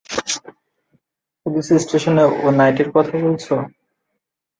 Police স্টেশনে, ওহ নাইটির কথা বলছো!